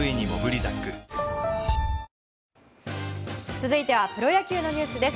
続いてはプロ野球のニュースです。